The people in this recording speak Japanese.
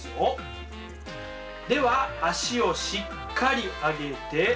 では足をしっかり上げて。